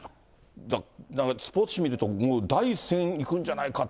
だから、スポーツ紙見ると、もう第１戦いくんじゃないかって。